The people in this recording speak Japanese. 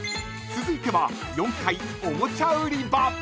［続いては４階おもちゃ売り場］